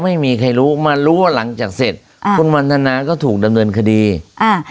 ไม่มีใครรู้มารู้ว่าหลังจากเสร็จอ่าคุณวันทนาก็ถูกดำเนินคดีอ่า